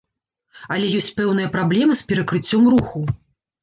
Але ёсць пэўныя праблемы з перакрыццём руху.